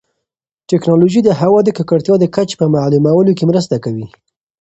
ټیکنالوژي د هوا د ککړتیا د کچې په معلومولو کې مرسته کوي.